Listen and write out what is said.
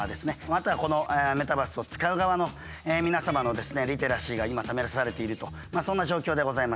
あとはこのメタバースを使う側の皆様のリテラシーが今試されているとそんな状況でございます。